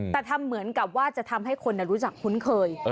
แต่ทำเหมือนกับว่าจะทำให้คนรู้จักคุ้นเคย